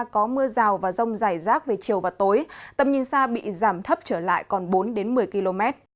có mưa rào và rông dài rác về chiều và tối tầm nhìn xa bị giảm thấp trở lại còn bốn một mươi km